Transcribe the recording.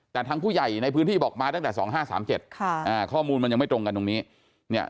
แต่ทางผู้ใหญ่ในพื้นที่บอกมาตั้งแต่๒๕๓๗ค่ะอ่าข้อมูลมันยังไม่ตรงกันตรงนี้เนี่ย